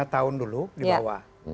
lima tahun dulu di bawah